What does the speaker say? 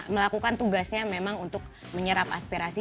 melakukan tugasnya memang untuk menyerap aspirasi